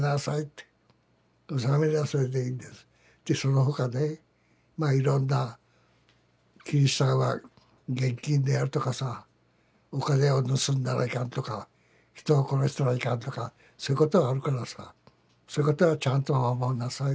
その他ねまあいろんなキリシタンは厳禁であるとかさお金を盗んだらいかんとか人を殺したらいかんとかそういうことはあるからさそういうことはちゃんと守んなさい。